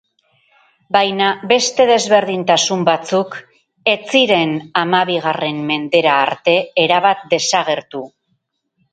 Baina beste desberdintasun batzuk ez ziren hamabigarren mendera arte erabat desagertu.